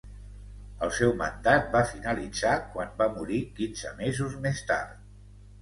El seu mandat va finalitzar quan va morir quinze mesos més tard.